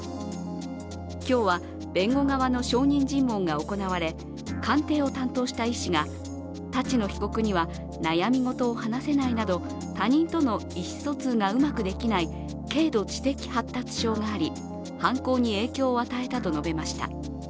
今日は、弁護側の証人尋問が行われ鑑定を担当した医師が立野被告には悩み事を話せないなど他人との意思疎通がうまくできない軽度知的発達症があり犯行に影響を与えたと述べました。